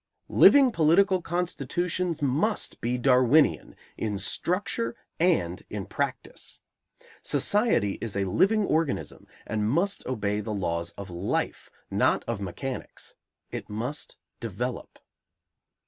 Living political constitutions must be Darwinian in structure and in practice. Society is a living organism and must obey the laws of life, not of mechanics; it must develop.